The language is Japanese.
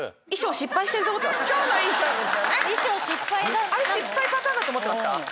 失敗パターンだと思ってました？